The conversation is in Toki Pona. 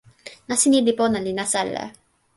nasin ni li pona li nasa ala.